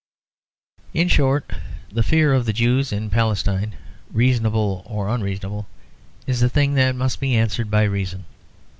In short the fear of the Jews in Palestine, reasonable or unreasonable, is a thing that must be answered by reason.